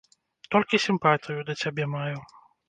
Толькі сімпатыю да цябе маю.